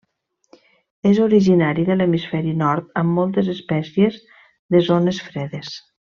És originari de l'hemisferi nord amb moltes espècies de zones fredes.